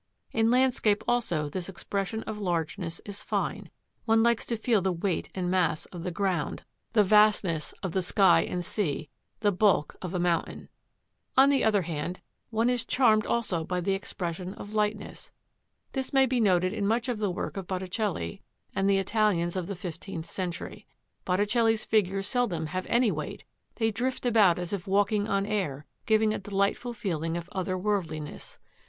In landscape also this expression of largeness is fine: one likes to feel the weight and mass of the ground, the vastness of the sky and sea, the bulk of a mountain. On the other hand one is charmed also by the expression of lightness. This may be noted in much of the work of Botticelli and the Italians of the fifteenth century. Botticelli's figures seldom have any weight; they drift about as if walking on air, giving a delightful feeling of otherworldliness.